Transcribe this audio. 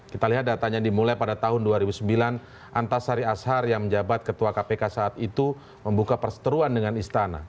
kita lihat datanya dimulai pada tahun dua ribu sembilan antasari ashar yang menjabat ketua kpk saat itu membuka perseteruan dengan istana